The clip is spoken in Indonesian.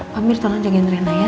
pak mir tolong jagain rena ya